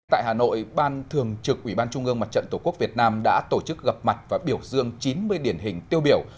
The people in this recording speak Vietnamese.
tại hà nội ban thường trực ủy ban trung ương mặt trận tổ quốc việt nam đã tổ chức gặp mặt và biểu dương chín mươi điển hình tiêu biểu